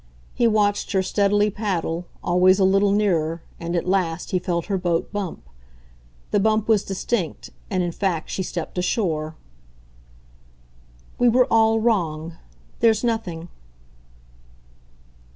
He watched her steadily paddle, always a little nearer, and at last he felt her boat bump. The bump was distinct, and in fact she stepped ashore. "We were all wrong. There's nothing."